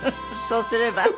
そうすれば？